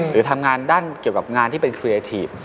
หรือทำงานด้านเกี่ยวกับงานที่เป็นเคลียร์ทีฟ